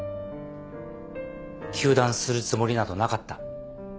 糾弾するつもりなどなかった。